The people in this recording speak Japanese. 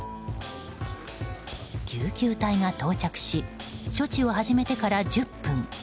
救急隊が到着し処置を始めてから１０分。